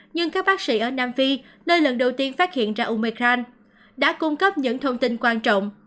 nhưng các bác sĩ ở nam phi nơi lần đầu tiên phát hiện ra umecan đã cung cấp những thông tin quan trọng